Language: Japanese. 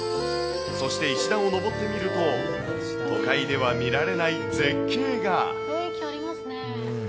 そして、石段を登ってみると、都会では見られない絶景が。